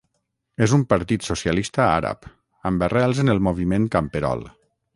És un partit socialista àrab, amb arrels en el moviment camperol.